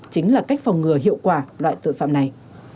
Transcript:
chính là cách phòng ngừa hiệu quả loại tội phạm này